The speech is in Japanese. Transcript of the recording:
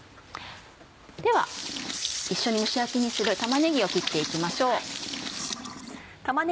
では一緒に蒸し焼きにする玉ねぎを切って行きましょう。